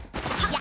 や。